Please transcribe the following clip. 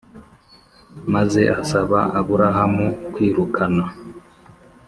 maze asaba Aburahamu kwirukana